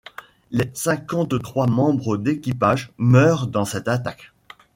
Les cinquantre-trois membres d'équipage meurent dans cette attaque.